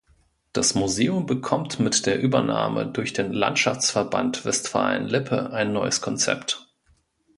Das Museum bekommt mit der Übernahme durch den Landschaftsverband Westfalen-Lippe ein neues Konzept.